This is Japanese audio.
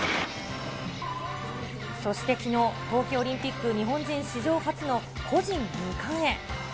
そしてきのう、冬季オリンピック日本人史上初の個人２冠へ。